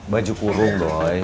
baju kurung doi